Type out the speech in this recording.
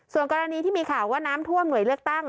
ส่วนกรณีที่มีข่าวว่าน้ำท่วมหน่วยเลือกตั้ง